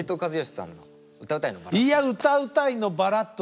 いや「歌うたいのバラッド」